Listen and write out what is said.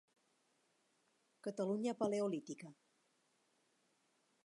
Catalunya Paleolítica.